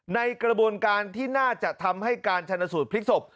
ในกระบวนการที่น่าจะทำให้การชนสูตรพลิกศพ